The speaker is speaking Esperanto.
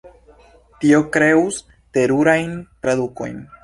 Tio kreus terurajn tradukojn.